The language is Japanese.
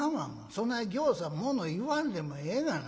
そないぎょうさんもの言わんでもええがな。